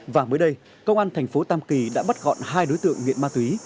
và mới đây công an tp tâm kỳ đã bắt gọn hai đối tượng nguyện ma túy